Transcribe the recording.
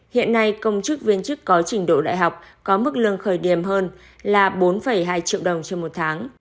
hiện nay công chức viên chức có trình độ đại học có mức lương khởi điểm hơn là bốn hai triệu đồng trên một tháng